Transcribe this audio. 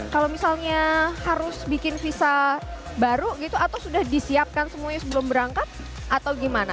kalau misalnya harus bikin visa baru gitu atau sudah disiapkan semuanya sebelum berangkat atau gimana